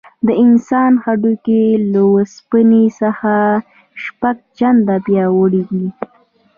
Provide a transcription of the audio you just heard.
د انسان هډوکي له اوسپنې څخه شپږ چنده پیاوړي دي.